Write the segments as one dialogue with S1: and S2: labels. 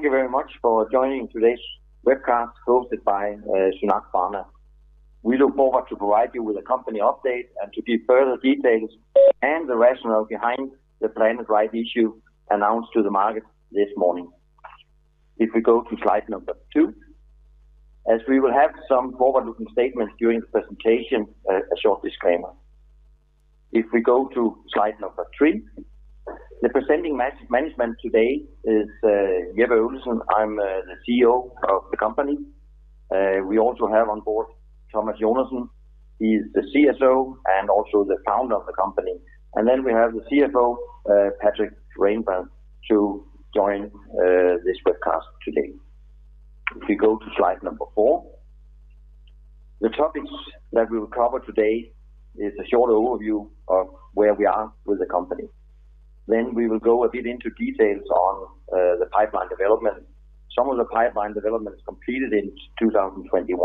S1: Thank you very much for joining today's webcast hosted by SynAct Pharma. We look forward to provide you with a company update and to give further details and the rationale behind the planned rights issue announced to the market this morning. If we go to slide number two. As we will have some forward-looking statements during the presentation, a short disclaimer. If we go to slide number three. The presenting management today is Jeppe Øvlesen. I'm the CEO of the company. We also have on board Thomas Jonassen, he's the CSO and also the founder of the company. We have the CFO, Patrik Renblad, to join this webcast today. If you go to slide number four. The topics that we will cover today is a short overview of where we are with the company. We will go a bit into details on the pipeline development. Some of the pipeline development is completed in 2021,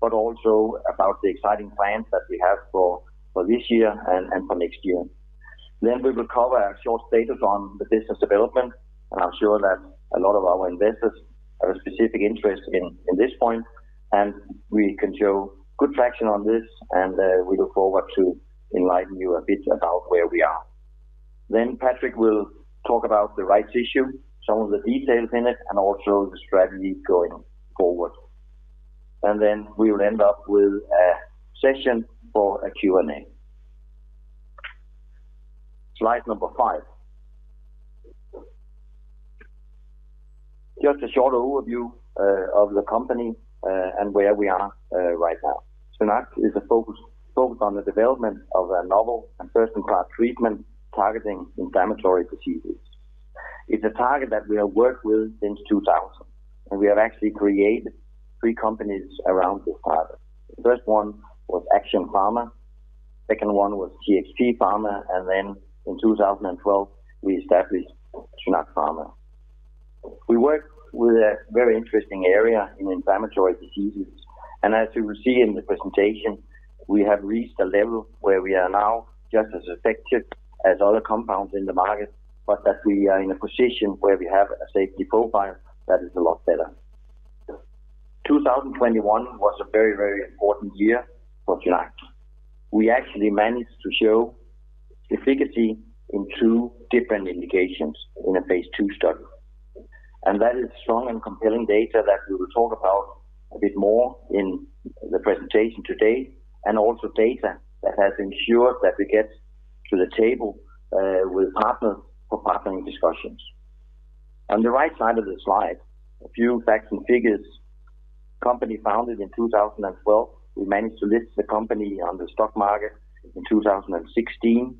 S1: but also about the exciting plans that we have for this year and for next year. We will cover a short status on the business development, and I'm sure that a lot of our investors have a specific interest in this point, and we can show good traction on this, and we look forward to enlighten you a bit about where we are. Patrick will talk about the rights issue, some of the details in it, and also the strategy going forward. We will end up with a session for a Q&A. Slide number five. Just a short overview of the company and where we are right now. SynAct is focused on the development of a novel and best-in-class treatment targeting inflammatory diseases. It's a target that we have worked with since 2000, and we have actually created three companies around this product. The first one was Action Pharma, second one was TXP Pharma, and then in 2012, we established SynAct Pharma. We work with a very interesting area in inflammatory diseases, and as you will see in the presentation, we have reached a level where we are now just as effective as other compounds in the market, but that we are in a position where we have a safety profile that is a lot better. 2021 was a very, very important year for SynAct. We actually managed to show efficacy in two different indications in a phase II study. That is strong and compelling data that we will talk about a bit more in the presentation today, and also data that has ensured that we get to the table with partners for partnering discussions. On the right side of the slide, a few facts and figures. Company founded in 2012. We managed to list the company on the stock market in 2016.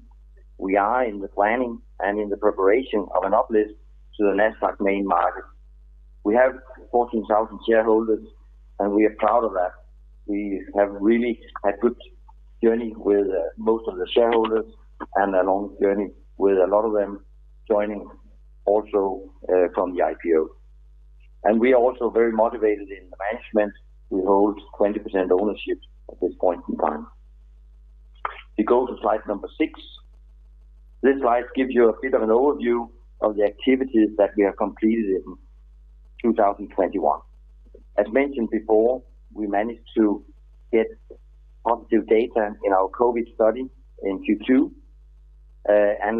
S1: We are in the planning and in the preparation of an uplist to the Nasdaq main market. We have 14,000 shareholders, and we are proud of that. We have really had good journey with most of the shareholders and a long journey with a lot of them joining also from the IPO. We are also very motivated in the management. We hold 20% ownership at this point in time. We go to slide number six. This slide gives you a bit of an overview of the activities that we have completed in 2021. As mentioned before, we managed to get positive data in our COVID study in Q2.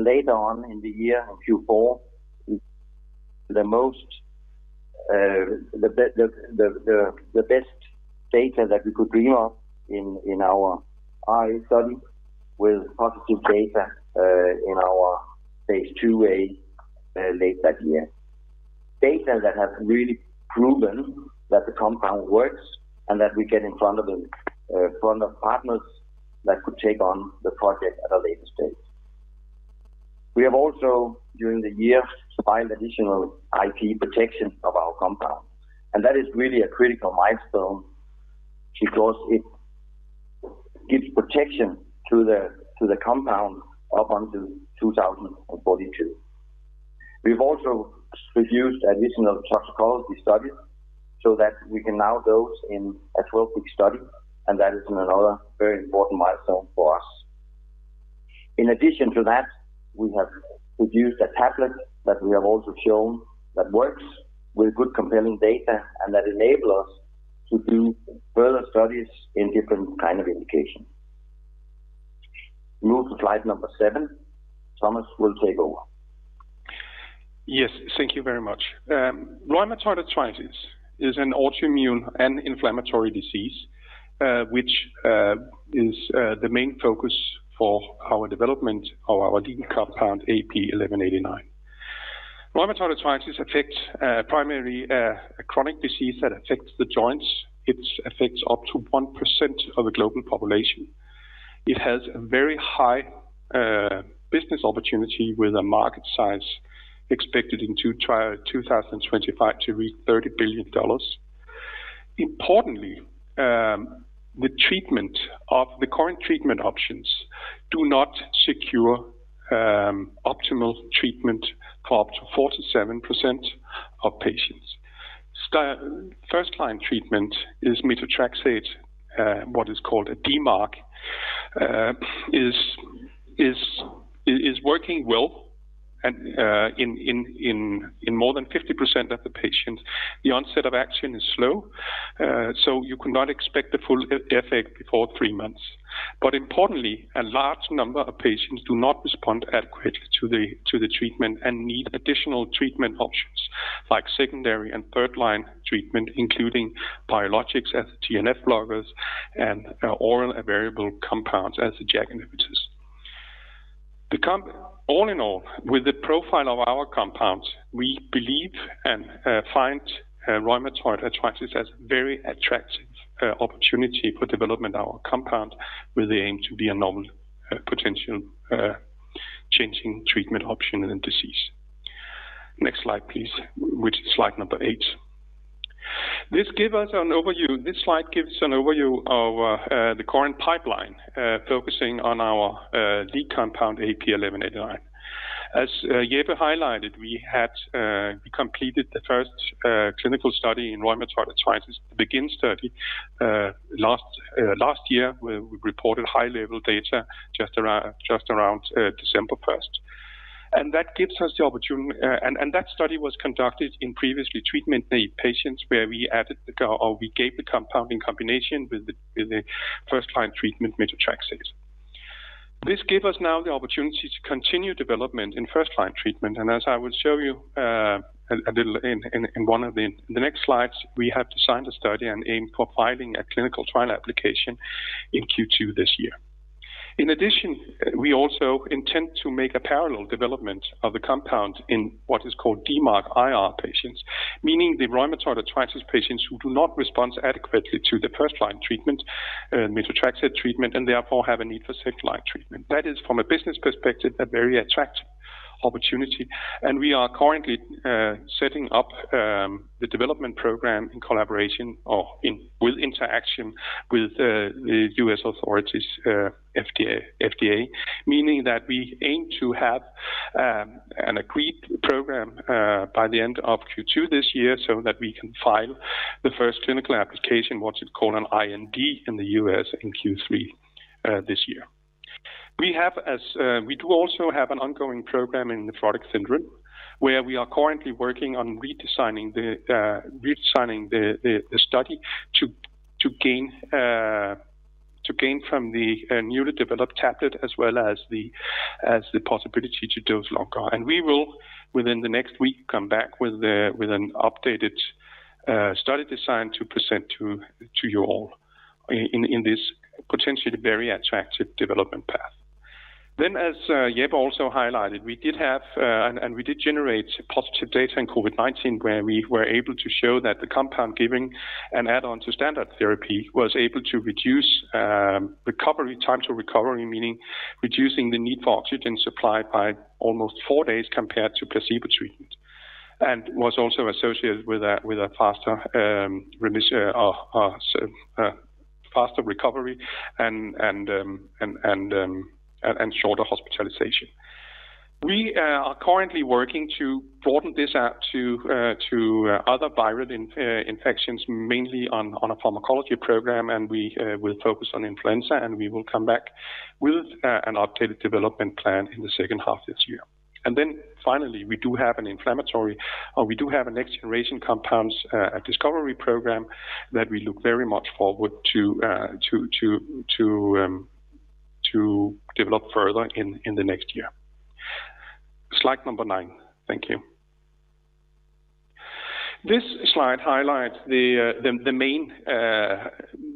S1: Later on in the year in Q4, the best data that we could bring up in our RA study with positive data in our phase II late that year. Data that has really proven that the compound works and that we get in front of partners that could take on the project at a later stage. We have also during the year supplied additional IP protection of our compound. That is really a critical milestone because it gives protection to the compound up until 2042. We've also produced additional toxicology studies so that we can now dose in a 12-week study, and that is another very important milestone for us. In addition to that, we have produced a tablet that we have also shown that works with good compelling data and that enable us to do further studies in different kind of indication. Move to slide number seven. Thomas will take over.
S2: Yes, thank you very much. Rheumatoid arthritis is an autoimmune and inflammatory disease, which is the main focus for our development of our lead compound AP1189. Rheumatoid arthritis affects primarily a chronic disease that affects the joints. It affects up to 1% of the global population. It has a very high business opportunity with a market size expected in 2025 to reach $30 billion. Importantly, the treatment of the current treatment options do not secure optimal treatment for up to 47% of patients. First-line treatment is methotrexate, what is called a DMARD, is working well and in more than 50% of the patients. The onset of action is slow, so you cannot expect the full effect before three months. Importantly, a large number of patients do not respond adequately to the treatment and need additional treatment options like secondary and third-line treatment, including biologics as TNF blockers and oral small molecule compounds as the JAK inhibitors. All in all, with the profile of our compounds, we believe and find rheumatoid arthritis as very attractive opportunity for development our compound with the aim to be a novel potential game-changing treatment option in the disease. Next slide, please, which is slide number eight. This slide gives an overview of the current pipeline, focusing on our lead compound AP1189. As Jeppe highlighted, we completed the first clinical study in rheumatoid arthritis, the BEGIN study, last year, where we reported high-level data just around December first. That gives us the opportunity. That study was conducted in previously treated patients where we added or we gave the compound in combination with the first-line treatment methotrexate. This gives us now the opportunity to continue development in first-line treatment. As I will show you, a little in one of the next slides, we have designed a study and aim for filing a clinical trial application in Q2 this year. In addition, we also intend to make a parallel development of the compound in what is called DMARD IR patients, meaning the rheumatoid arthritis patients who do not respond adequately to the first-line treatment, methotrexate treatment, and therefore have a need for second-line treatment. That is, from a business perspective, a very attractive opportunity. We are currently setting up the development program in collaboration with the U.S. authorities, FDA, meaning that we aim to have an agreed program by the end of Q2 this year so that we can file the first clinical application, what's it called, an IND in the U.S. in Q3 this year. We do also have an ongoing program in nephrotic syndrome, where we are currently working on redesigning the study to gain from the newly developed tablet as well as the possibility to dose longer. We will within the next week come back with an updated study design to present to you all in this potentially very attractive development path. As Jeppe also highlighted, we did have and we did generate positive data in COVID-19, where we were able to show that the compound giving an add-on to standard therapy was able to reduce time to recovery, meaning reducing the need for oxygen supply by almost four days compared to placebo treatment, and was also associated with a faster recovery and shorter hospitalization. We are currently working to broaden this out to other viral infections, mainly on a pharmacology program, and we will focus on influenza, and we will come back with an updated development plan in the second half this year. Finally, we do have an inflammatory, or we do have a next-generation compounds discovery program that we look very much forward to to develop further in the next year. Slide nine. Thank you. This slide highlights the main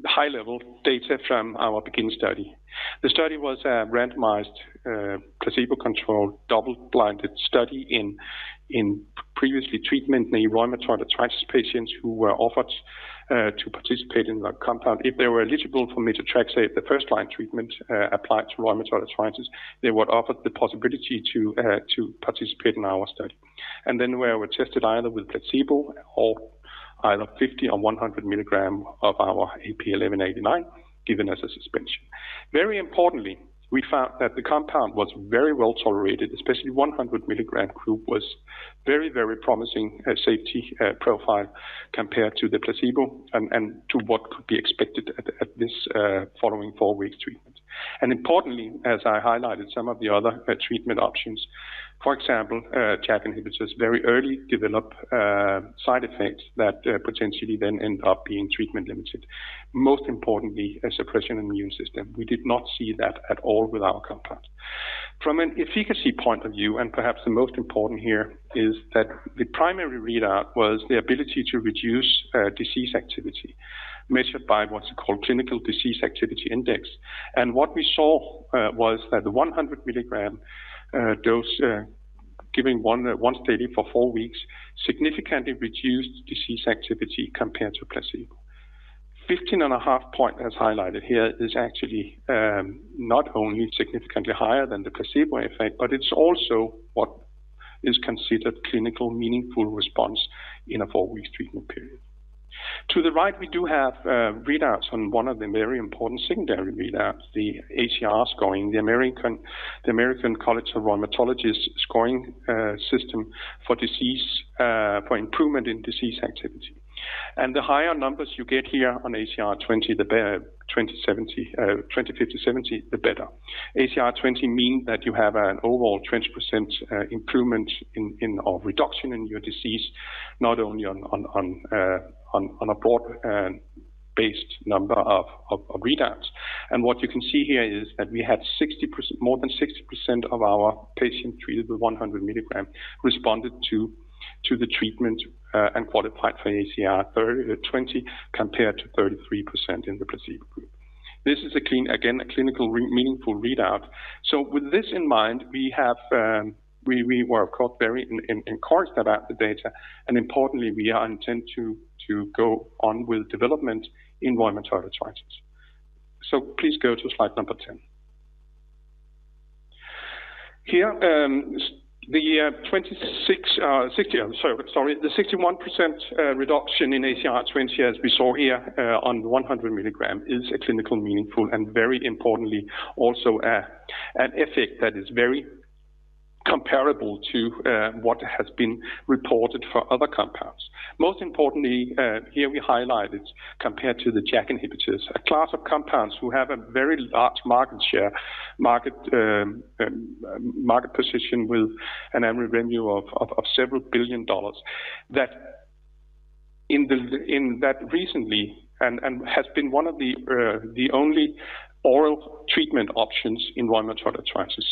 S2: high-level data from our BEGIN study. The study was a randomized placebo-controlled double-blinded study in previously treatment in the rheumatoid arthritis patients who were offered to participate in the compound. If they were eligible for methotrexate, the first-line treatment applied to rheumatoid arthritis, they were offered the possibility to participate in our study. Then were tested either with placebo or either 50mg or 100 mg of our AP1189, given as a suspension. Very importantly, we found that the compound was very well-tolerated, especially 100 mg group was very, very promising safety profile compared to the placebo and to what could be expected at this following fourweek treatment. Importantly, as I highlighted some of the other treatment options, for example, JAK inhibitors very early develop side effects that potentially then end up being treatment limited. Most importantly, immunosuppression. We did not see that at all with our compounds. From an efficacy point of view, and perhaps the most important here is that the primary readout was the ability to reduce disease activity measured by what's called Clinical Disease Activity Index. What we saw was that the 100 mg dose given once daily for four weeks significantly reduced disease activity compared to placebo. 15.5-point, as highlighted here, is actually not only significantly higher than the placebo effect, but it's also what is considered clinically meaningful response in a four-week treatment period. To the right, we do have readouts on one of the very important secondary readouts, the ACR scoring, the American College of Rheumatology's scoring system for disease for improvement in disease activity. The higher numbers you get here on ACR20, ACR50, ACR70, the better. ACR20 mean that you have an overall 20% improvement in or reduction in your disease, not only on a broad-based number of readouts. What you can see here is that we have 60%, more than 60% of our patients treated with 100 mg responded to the treatment and qualified for an ACR20 compared to 33% in the placebo group. This is a clean, again, a clinically meaningful readout. With this in mind, we were of course very encouraged about the data, and importantly, we intend to go on with development in rheumatoid arthritis. Please go to slide number 10. Here, the 61% reduction in ACR20 as we saw here on 100 mg is clinically meaningful, and very importantly, also an effect that is very comparable to what has been reported for other compounds. Most importantly, here we highlighted compared to the JAK inhibitors, a class of compounds who have a very large market share, market position with an annual revenue of several billion dollars, that recently has been one of the only oral treatment options in rheumatoid arthritis.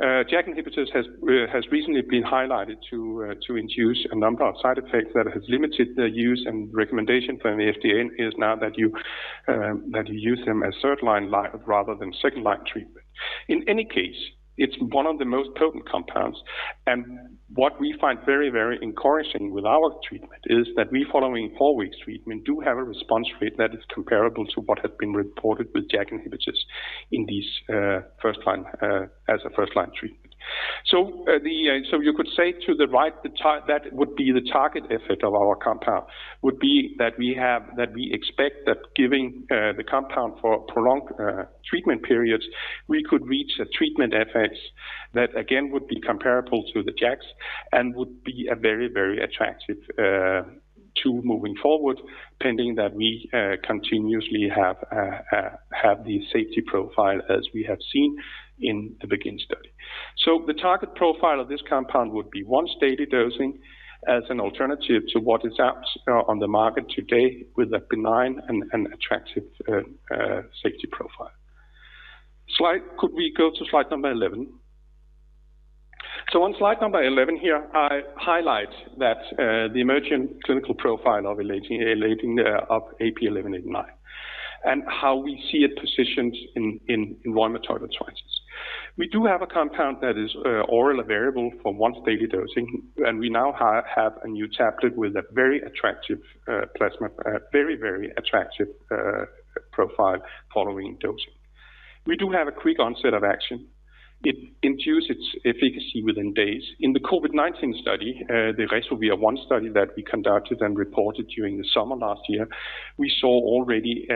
S2: JAK inhibitors has recently been highlighted to induce a number of side effects that has limited the use and recommendation from the FDA is now that you use them as third line rather than second line treatment. In any case, it's one of the most potent compounds, and what we find very, very encouraging with our treatment is that we, following four weeks treatment, do have a response rate that is comparable to what has been reported with JAK inhibitors in these first-line, as a first-line treatment. You could say that that would be the target effect of our compound, would be that we expect that giving the compound for prolonged treatment periods, we could reach a treatment effects that again would be comparable to the JAKs and would be a very, very attractive to moving forward, pending that we continuously have the safety profile as we have seen in the BEGIN study. The target profile of this compound would be once daily dosing as an alternative to what is on the market today with a benign and attractive safety profile. Could we go to slide number 11? On slide number 11 here, I highlight that the emerging clinical profile of AP1189 and how we see it positioned in rheumatoid arthritis. We do have a compound that is orally available for once daily dosing, and we now have a new tablet with a very attractive plasma profile following dosing. We do have a quick onset of action. It induces efficacy within days. In the COVID-19 study, the RESOVIR-1 study that we conducted and reported during the summer last year, we saw already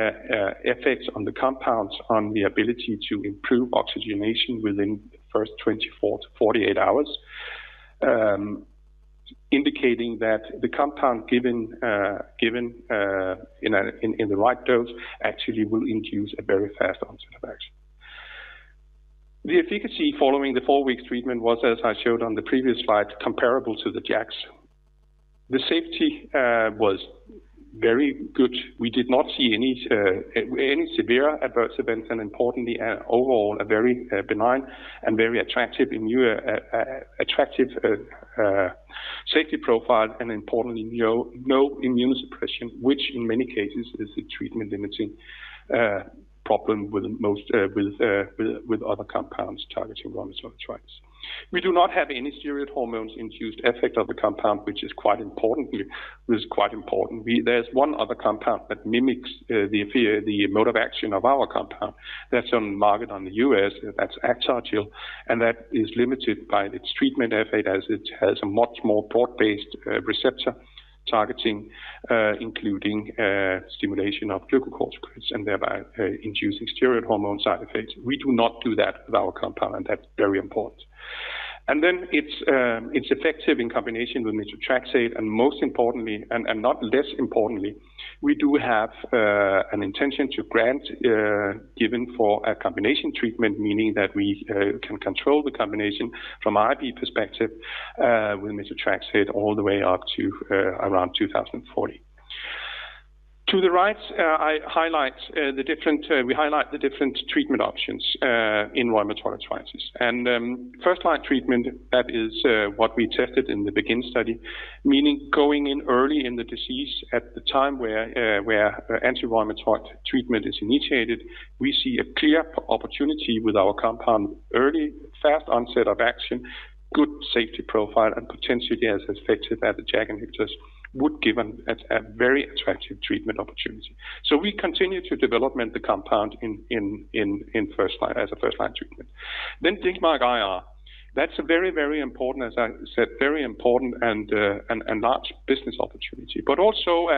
S2: effects of the compound on the ability to improve oxygenation within the first 24-48 hours, indicating that the compound given in the right dose actually will induce a very fast onset of action. The efficacy following the four week treatment was, as I showed on the previous slide, comparable to the JAKs. The safety was very good. We did not see any severe adverse events, and importantly, overall, very benign and very attractive immune safety profile, and importantly, no immunosuppression, which in many cases is a treatment limiting problem with most other compounds targeting rheumatoid arthritis. We do not have any steroid hormone-induced effect of the compound, which is quite important. There's one other compound that mimics the mode of action of our compound, that's on the market in the U.S., that's Acthar Gel, and that is limited by its treatment effect as it has a much more broad-based receptor targeting, including stimulation of glucocorticoids and thereby inducing steroid hormone side effects. We do not do that with our compound. That's very important. Then it's effective in combination with methotrexate, and most importantly, not less importantly, we do have an intention to grant given for a combination treatment, meaning that we can control the combination from our IP perspective with methotrexate all the way up to around 2040. To the right, we highlight the different treatment options in rheumatoid arthritis. First line treatment, that is what we tested in the BEGIN study, meaning going in early in the disease at the time where anti-rheumatic treatment is initiated, we see a clear opportunity with our compound early, fast onset of action, good safety profile, and potentially as effective as the JAK inhibitors would given at a very attractive treatment opportunity. We continue to develop the compound in first line, as a first line treatment. Then DMARD IR. That's very, very important, as I said, very important and large business opportunity. But also,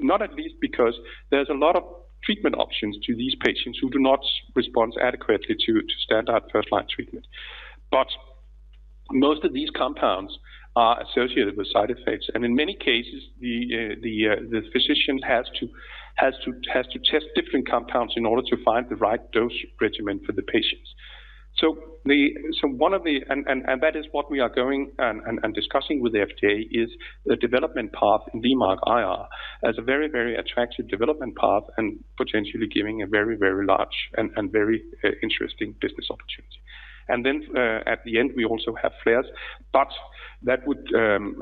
S2: not least because there's a lot of treatment options to these patients who do not respond adequately to standard first line treatment. Most of these compounds are associated with side effects, and in many cases, the physician has to test different compounds in order to find the right dose regimen for the patients. One of the things that is what we are discussing with the FDA is the development path in DMARD IR as a very attractive development path and potentially giving a very large and very interesting business opportunity. At the end, we also have flares, but that would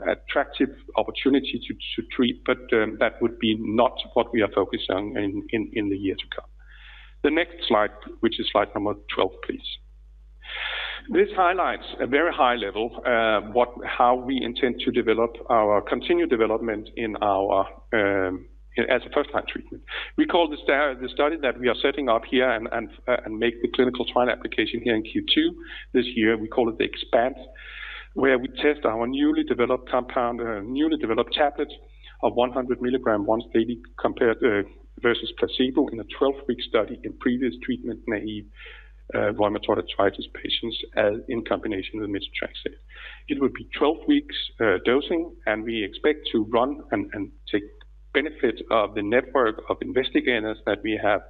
S2: attractive opportunity to treat, but that would be not what we are focused on in the years to come. The next slide, which is slide number 12, please. This highlights a very high level, how we intend to develop our continued development in our, as a first-line treatment. We call the study that we are setting up here and make the clinical trial application here in Q2 this year, we call it the EXPAND, where we test our newly developed compound, newly developed tablet of 100 mg once daily compared versus placebo in a 12-week study in previous treatment-naïve rheumatoid arthritis patients in combination with methotrexate. It would be 12 weeks dosing, and we expect to run and take benefit of the network of investigators that we have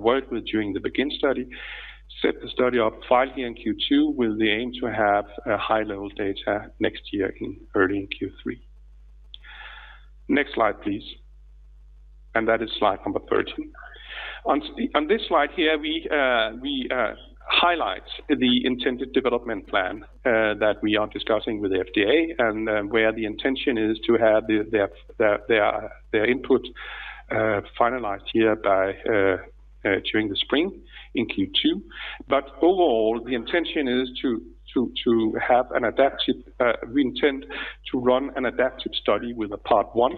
S2: worked with during the BEGIN study. Set the study up file here in Q2 with the aim to have high-level data next year in early Q3. Next slide, please. That is slide number 13. On this slide here, we highlight the intended development plan that we are discussing with the FDA and where the intention is to have their input finalized here by during the spring in Q2. Overall, the intention is to run an adaptive study with a part one,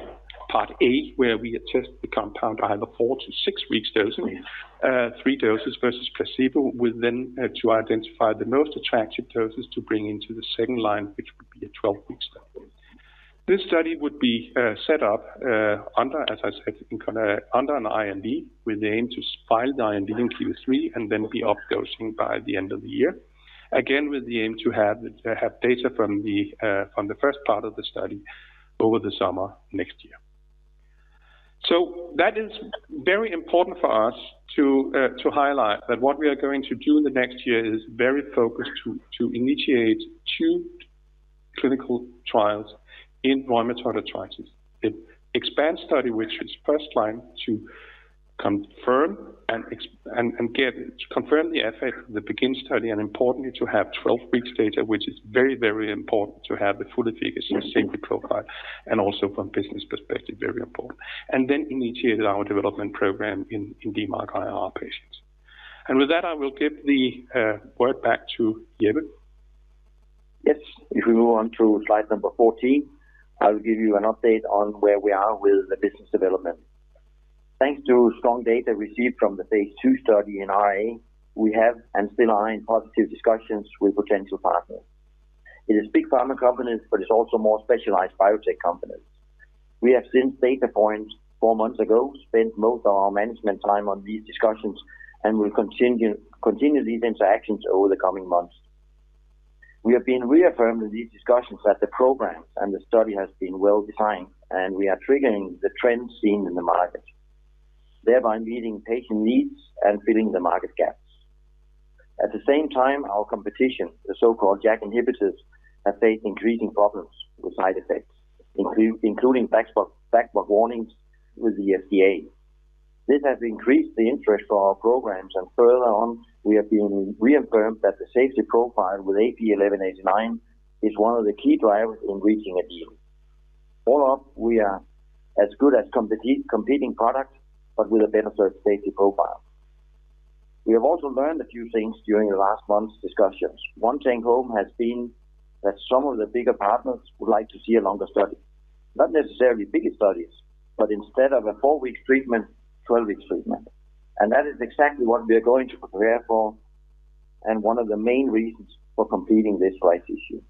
S2: part A, where we test the compound either four to six weeks dosing, three doses versus placebo, with then to identify the most attractive doses to bring into the second line, which would be a 12-week study. This study would be set up under, as I said, in under an IND with the aim to file the IND in Q3 and then be up dosing by the end of the year. Again, with the aim to have data from the first part of the study over the summer next year. That is very important for us to highlight that what we are going to do in the next year is very focused to initiate two clinical trials in rheumatoid arthritis. EXPAND study, which is first line to confirm the effect of the BEGIN study, and importantly, to have 12 weeks data, which is very, very important to have a full efficacy and safety profile and also from business perspective, very important. Then initiate our development program in DMARD-IR patients. With that, I will give the word back to Jeppe.
S1: Yes. If we move on to slide number 14, I will give you an update on where we are with the business development. Thanks to strong data received from the phase II study in RA, we have and still are in positive discussions with potential partners. It is big pharma companies, but it's also more specialized biotech companies. We have since data point four months ago, spent most of our management time on these discussions and will continue these interactions over the coming months. We have been reaffirmed in these discussions that the program and the study has been well-designed, and we are triggering the trends seen in the market, thereby meeting patient needs and filling the market gaps. At the same time, our competition, the so-called JAK inhibitors, have faced increasing problems with side effects, including black box warnings with the FDA. This has increased the interest for our programs, and further on, we have reaffirmed that the safety profile with AP1189 is one of the key drivers in reaching a deal. All up, we are as good as competing products but with a better safety profile. We have also learned a few things during the last month's discussions. One take home has been that some of the bigger partners would like to see a longer study. Not necessarily bigger studies, but instead of a four week treatment, 12-week treatment. That is exactly what we are going to prepare for and one of the main reasons for completing this rights issue.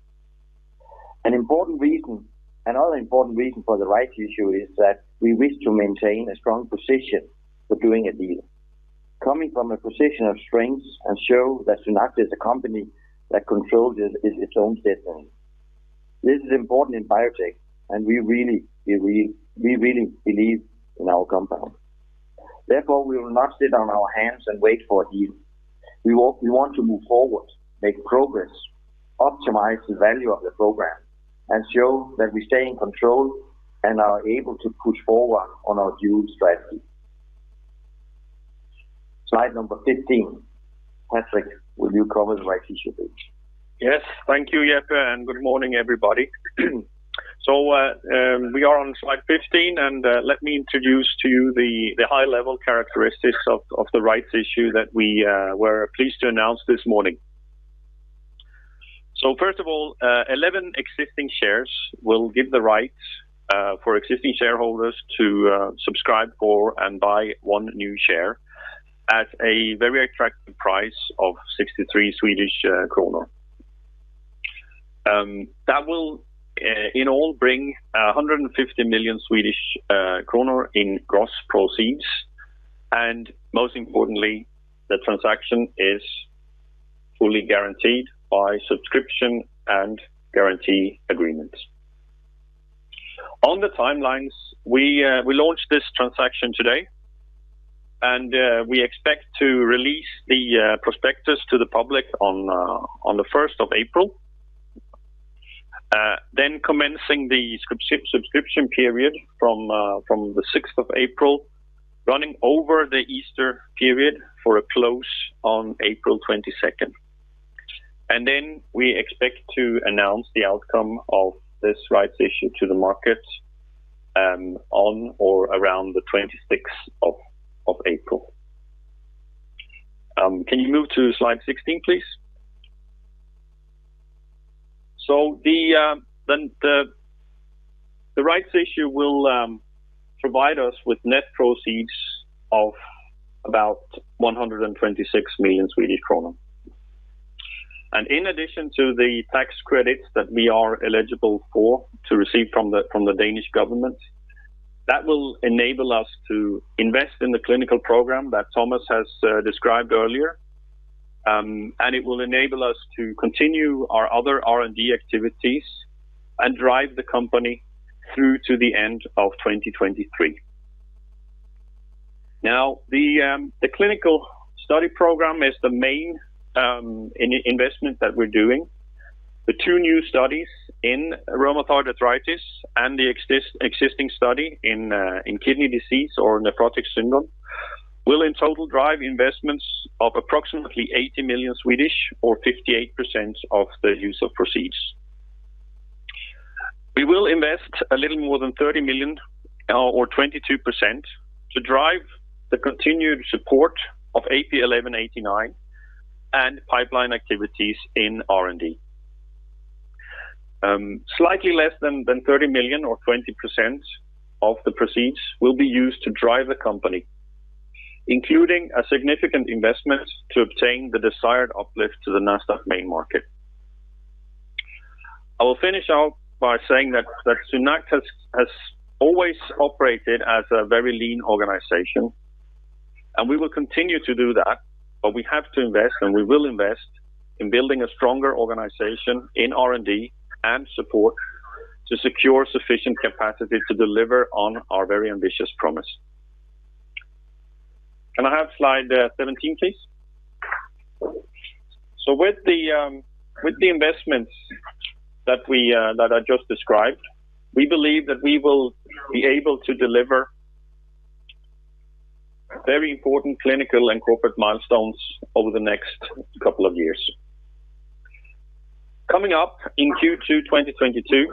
S1: An important reason, another important reason for the rights issue is that we wish to maintain a strong position for doing a deal. Coming from a position of strength and show that SynAct is a company that controls its own destiny. This is important in biotech, and we really believe in our compound. Therefore, we will not sit on our hands and wait for a deal. We want to move forward, make progress, optimize the value of the program, and show that we stay in control and are able to push forward on our own strategy. Slide number 15. Patrick, will you cover the rights issue page?
S3: Yes. Thank you, Jeppe, and good morning, everybody. We are on slide 15, and let me introduce to you the high-level characteristics of the rights issue that we're pleased to announce this morning. First of all, 11 existing shares will give the rights for existing shareholders to subscribe for and buy one new share. At a very attractive price of 63 Swedish kronor. That will in all bring 150 million Swedish kronor in gross proceeds, and most importantly, the transaction is fully guaranteed by subscription and guarantee agreements. On the timelines, we launched this transaction today, and we expect to release the prospectus to the public on the 1st of April. Commencing the subscription period from the 6th of April, running over the Easter period for a close on April 22nd. We expect to announce the outcome of this rights issue to the market on or around the 26th of April. Can you move to slide 16, please? The rights issue will provide us with net proceeds of about 126 million Swedish kronor. In addition to the tax credits that we are eligible for to receive from the Danish government, that will enable us to invest in the clinical program that Thomas has described earlier. It will enable us to continue our other R&D activities and drive the company through to the end of 2023. The clinical study program is the main investment that we're doing. The two new studies in rheumatoid arthritis and the existing study in kidney disease or nephrotic syndrome will in total drive investments of approximately 80 million or 58% of the use of proceeds. We will invest a little more than 30 million, or 22% to drive the continued support of AP1189 and pipeline activities in R&D. Slightly less than 30 million SEK or 20% of the proceeds will be used to drive the company, including a significant investment to obtain the desired uplift to the Nasdaq main market. I will finish out by saying that SynAct has always operated as a very lean organization, and we will continue to do that, but we have to invest, and we will invest in building a stronger organization in R&D and support to secure sufficient capacity to deliver on our very ambitious promise. Can I have slide 17, please? With the investments that I just described, we believe that we will be able to deliver very important clinical and corporate milestones over the next couple of years. Coming up in Q2 2022,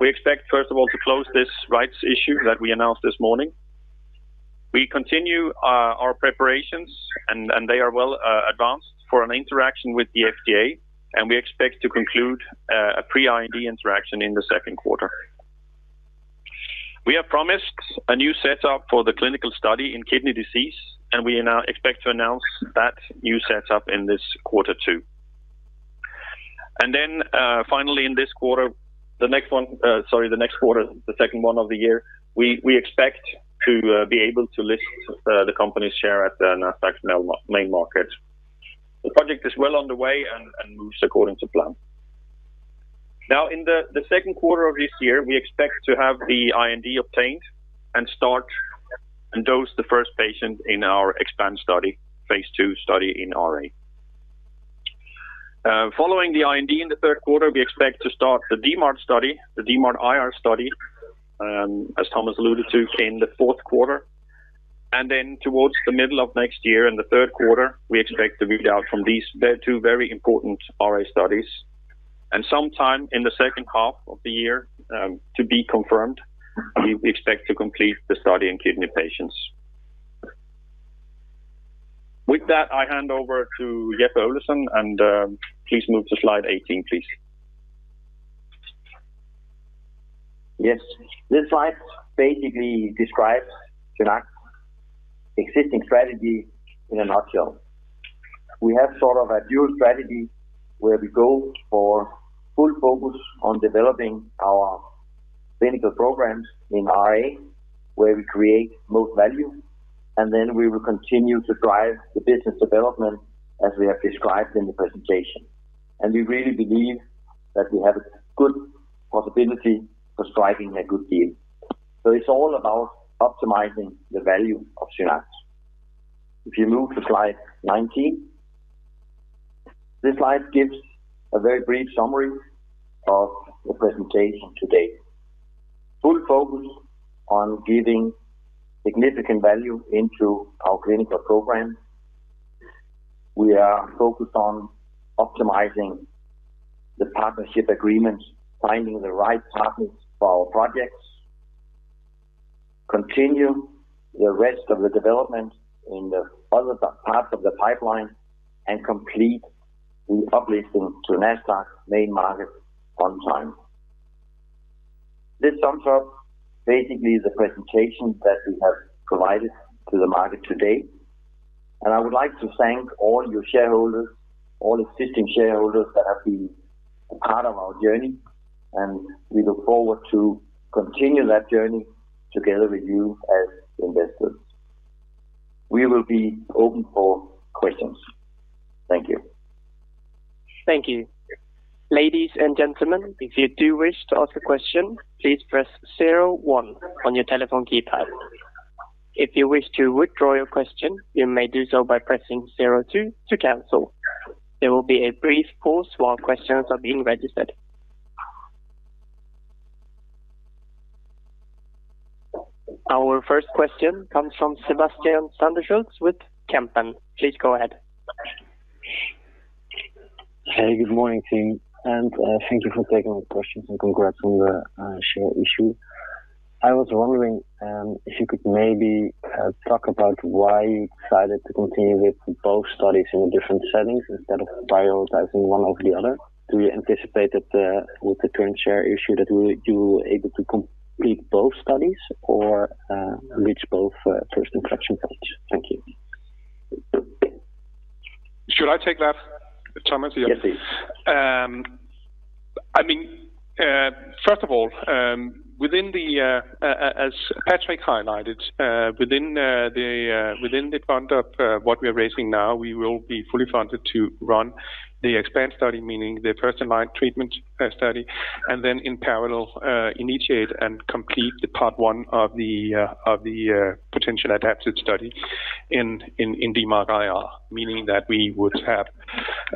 S3: we expect, first of all, to close this rights issue that we announced this morning. We continue our preparations and they are well advanced for an interaction with the FDA, and we expect to conclude a pre-IND interaction in the second quarter. We have promised a new set up for the clinical study in kidney disease, and we now expect to announce that new set up in this quarter too. Finally in this quarter, the next one, sorry, the next quarter, the second one of the year, we expect to be able to list the company's share at the Nasdaq main market. The project is well underway and moves according to plan. Now in the second quarter of this year, we expect to have the IND obtained and start and dose the first patient in our EXPAND study, phase II study in RA. Following the IND in the third quarter, we expect to start the DMARD study, the DMARD-IR study, as Thomas alluded to in the fourth quarter. Towards the middle of next year, in the third quarter, we expect to read out from these two very important RA studies. Sometime in the second half of the year, to be confirmed, we expect to complete the study in kidney patients. With that, I hand over to Jeppe Øvlesen, and please move to slide 18, please.
S1: Yes. This slide basically describes SynAct's existing strategy in a nutshell. We have sort of a dual strategy where we go for full focus on developing our clinical programs in RA, where we create most value, and then we will continue to drive the business development as we have described in the presentation. We really believe that we have a good possibility for striking a good deal. It's all about optimizing the value of SynAct. If you move to slide 19. This slide gives a very brief summary of the presentation today, full focus on giving significant value into our clinical program. We are focused on optimizing the partnership agreements, finding the right partners for our projects, continue the rest of the development in the other parts of the pipeline, and complete the uplisting to Nasdaq main market on time. This sums up basically the presentation that we have provided to the market today. I would like to thank all your shareholders, all existing shareholders that have been a part of our journey, and we look forward to continue that journey together with you as investors. We will be open for questions. Thank you.
S4: Thank you. Ladies and gentlemen, if you do wish to ask a question, please press zero one on your telephone keypad. If you wish to withdraw your question, you may do so by pressing zero two to cancel. There will be a brief pause while questions are being registered. Our first question comes from Sebastiaan van der Schoot with Kempen. Please go ahead.
S5: Hey, good morning, team, and thank you for taking my questions and congrats on the share issue. I was wondering if you could maybe talk about why you decided to continue with both studies in different settings instead of prioritizing one over the other. Do you anticipate that with the current share issue that you will be able to complete both studies or reach both first inflection points? Thank you.
S2: Should I take that, Thomas?
S1: Yes, please.
S2: I mean, first of all, as Patrick highlighted, within the funds of what we are raising now, we will be fully funded to run the EXPAND study, meaning the first-line treatment study, and then in parallel, initiate and complete part one of the potential adaptive study in DMARD IR, meaning that we would have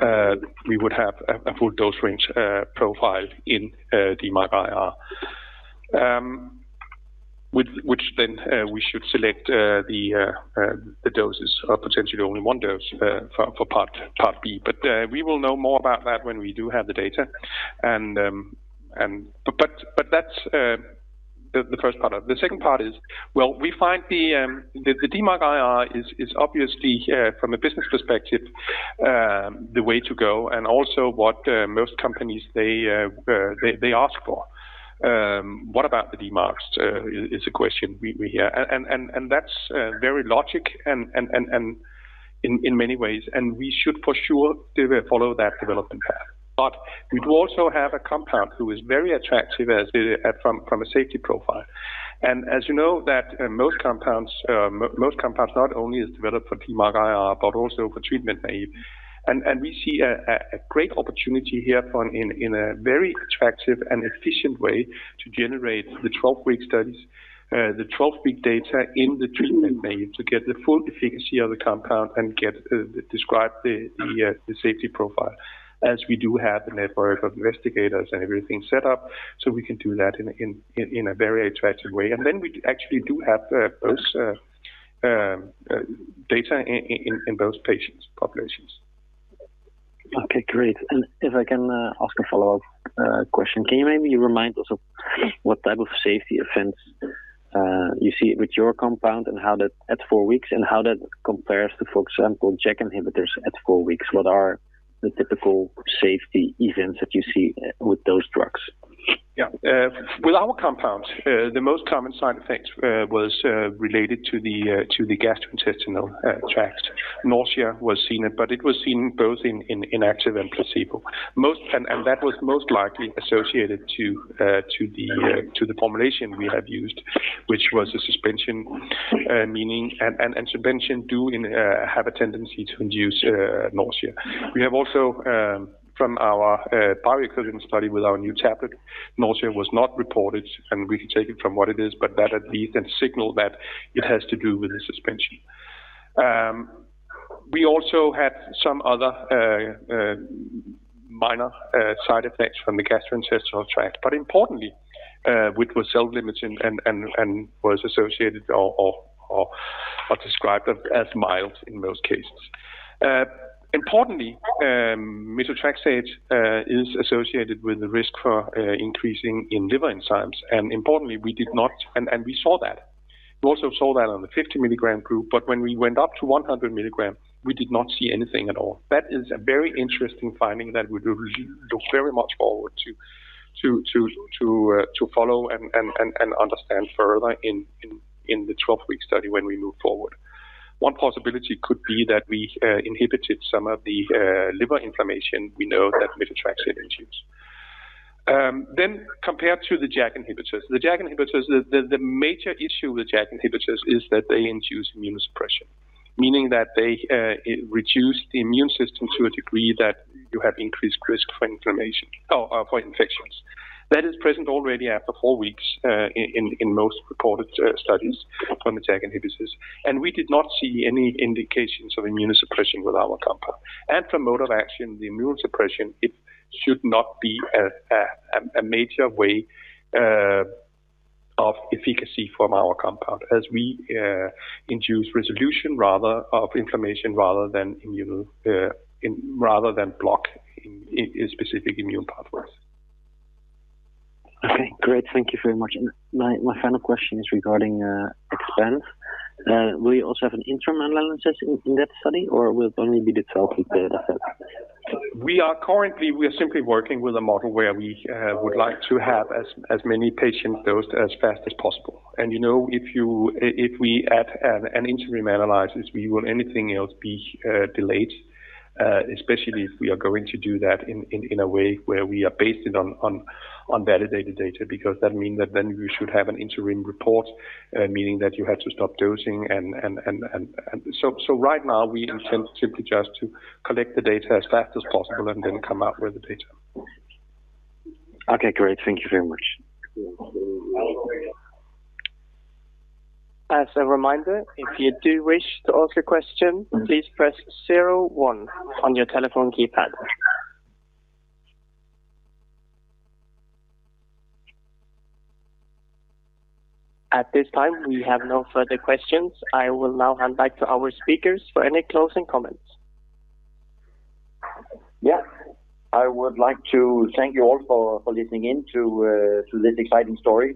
S2: a full dose range profile in DMARD IR, which then we should select the doses or potentially only 1 dose for part B. But we will know more about that when we do have the data. But that's the first part of it. The second part is, well, we find the DMARD IR is obviously from a business perspective the way to go and also what most companies they ask for. What about the DMARDs is a question we hear and that's very logical and in many ways, and we should for sure do follow that development path. But we do also have a compound who is very attractive as from a safety profile. And as you know, that most compounds not only is developed for DMARD IR, but also for treatment naive. We see a great opportunity here for, in a very attractive and efficient way, to generate the 12-week studies, the 12-week data in the treatment-naive to get the full efficacy of the compound and describe the safety profile as we do have a network of investigators and everything set up, so we can do that in a very attractive way. Then we actually do have both data in those patient populations.
S5: Okay, great. If I can ask a follow-up question. Can you maybe remind us of what type of safety events you see with your compound and how that at four weeks, and how that compares to, for example, JAK inhibitors at four weeks? What are the typical safety events that you see with those drugs?
S2: Yeah. With our compounds, the most common side effects was related to the gastrointestinal tract. Nausea was seen, but it was seen both in active and placebo. That was most likely associated to the formulation we have used, which was a suspension, meaning, and suspensions do in general have a tendency to induce nausea. We have also, from our bioequivalence study with our new tablet, nausea was not reported, and we can take it for what it is, but that at least can signal that it has to do with the suspension. We also had some other minor side effects from the gastrointestinal tract, but importantly, which was self-limiting and was associated or described as mild in most cases. Importantly, methotrexate is associated with the risk for increasing in liver enzymes. Importantly, we did not and we saw that. We also saw that on the 50-mg group, but when we went up to 100 mg, we did not see anything at all. That is a very interesting finding that we do look very much forward to follow and understand further in the 12-week study when we move forward. One possibility could be that we inhibited some of the liver inflammation we know that methotrexate induce. Compared to the JAK inhibitors. The JAK inhibitors, the major issue with JAK inhibitors is that they induce immunosuppression, meaning that they reduce the immune system to a degree that you have increased risk for inflammation or for infections. That is present already after four weeks in most reported studies from the JAK inhibitors. We did not see any indications of immunosuppression with our compound. From mode of action, the immunosuppression, it should not be a major way of efficacy from our compound as we induce resolution of inflammation rather than immunosuppression rather than blocking specific immune pathways.
S5: Okay, great. Thank you very much. My final question is regarding EXPAND. Will you also have an interim analysis in that study or will it only be the 12-week data set?
S2: We are simply working with a model where we would like to have as many patients dosed as fast as possible. You know, if we add an interim analysis, will anything else be delayed, especially if we are going to do that in a way where we base it on validated data, because that means then you should have an interim report, meaning that you had to stop dosing. Right now we intend simply just to collect the data as fast as possible and then come out with the data.
S5: Okay, great. Thank you very much.
S4: As a reminder, if you do wish to ask a question, please press zero one on your telephone keypad. At this time, we have no further questions. I will now hand back to our speakers for any closing comments.
S1: Yeah. I would like to thank you all for listening in to this exciting story.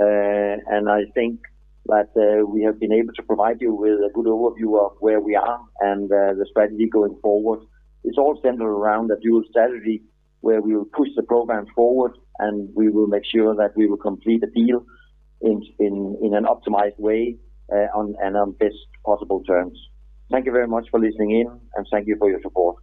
S1: I think that we have been able to provide you with a good overview of where we are and the strategy going forward. It's all centered around a dual strategy where we will push the program forward, and we will make sure that we will complete the deal in an optimized way on the best possible terms. Thank you very much for listening in, and thank you for your support.